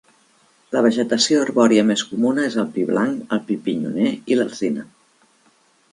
La vegetació arbòria més comuna és el pi blanc, el pi pinyoner i l'alzina.